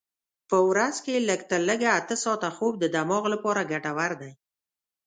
په ورځ کې لږ تر لږه اته ساعته خوب د دماغ لپاره ګټور دی.